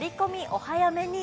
お早めに。